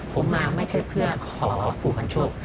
ผมมาไม่ใช่เพื่อขอครูควัญโชค